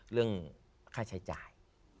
เรื่องค่าใช้จ่าย